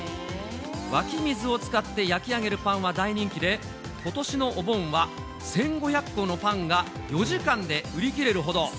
湧き水を使って焼き上げるパンは大人気で、ことしのお盆は１５００個のパンが４時間で売り切れるほど。